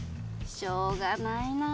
しょうがないな。